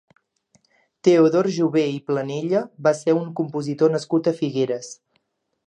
Teodor Jové i Planella va ser un compositor nascut a Figueres.